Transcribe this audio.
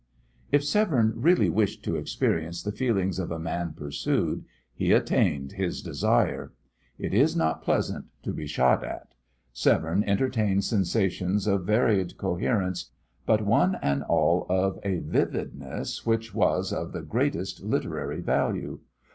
If Severne really wished to experience the feelings of a man pursued, he attained his desire. It is not pleasant to be shot at. Severne entertained sensations of varied coherence, but one and all of a vividness which was of the greatest literary value.